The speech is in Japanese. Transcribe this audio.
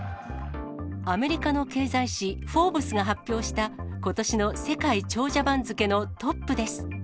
アメリカの経済誌、フォーブスが発表した、ことしの世界長者番付のトップです。